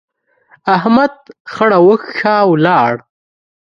احمد خړه وکښه، ولاړ.